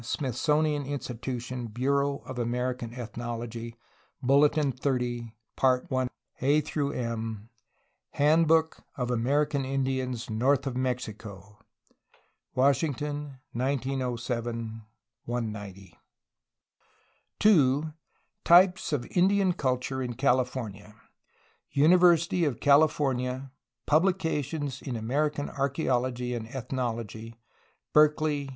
Smith sonian institution, Bureau of American ethnology, Bulletin 30, part 1, A M, Handbook of American Indians north of Mexico (Washington. 1907), 190. 2. Types of Indian culture in Cali fornia. University of CaHfor nia, Publications [in] Ameri can archaeology and ethnology (Berkeley.